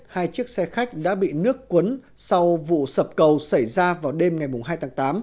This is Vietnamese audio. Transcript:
hai chiếc xe khách đã bị nước cuốn sau vụ sập cầu xảy ra vào đêm ngày hai tháng tám